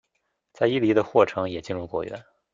在伊犁的霍城也进入果园。